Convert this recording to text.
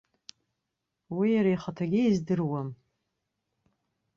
Уи иара ихаҭагьы издыруам.